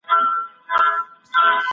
مورنۍ ژبه د ټولګی ګډون څنګه زياتوي؟